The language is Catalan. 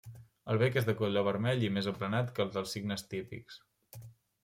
El bec és de color vermell i més aplanat que el dels cignes típics.